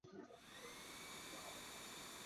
丝叶紫堇为罂粟科紫堇属下的一个种。